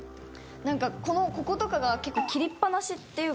なんかこのこことかが結構切りっぱなしっていうか。